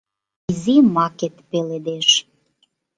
Изи макет пеледеш.